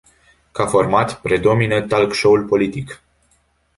Ca format, predomina talk show-ul politic.